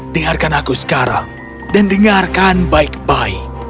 dengarkan aku sekarang dan dengarkan baik baik